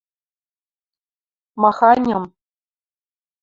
— Маханьым?